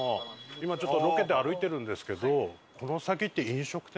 今ロケで歩いてるんですけど。